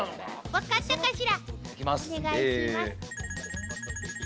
お願いします。